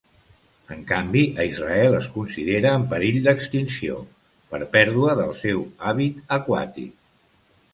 En canvi a Israel es considera en perill d'extinció per pèrdua del seu hàbit aquàtic.